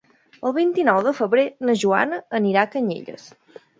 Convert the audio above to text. El vint-i-nou de febrer na Joana anirà a Canyelles.